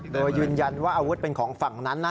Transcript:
โดยยืนยันว่าอาวุธเป็นของฝั่งนั้นนะ